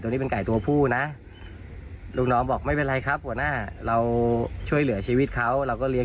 อนุโมทนาบุญด้วยเลย